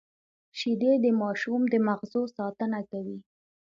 شیدې د ماشوم د مغزو ساتنه کوي